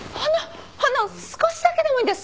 ほんの少しだけでもいいんで。